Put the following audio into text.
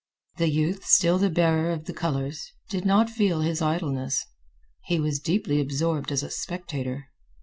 The youth, still the bearer of the colors, did not feel his idleness. He was deeply absorbed as a spectator.